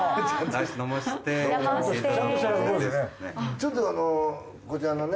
ちょっとこちらのね。